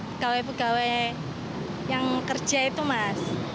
pekawai pekawai yang kerja itu mas